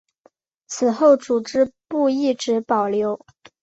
此后组织部一直保留。